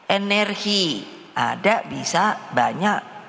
energi ada bisa banyak